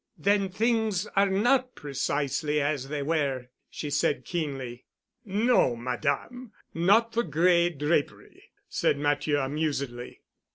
"Then things are not precisely as they were," she said keenly. "No, Madame. Not the gray drapery," said Matthieu amusedly.